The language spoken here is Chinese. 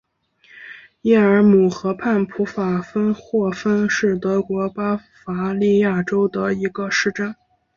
伊尔姆河畔普法芬霍芬是德国巴伐利亚州的一个市镇。